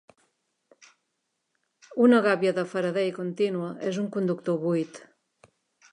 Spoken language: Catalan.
Una gàbia de Faraday contínua és un conductor buit.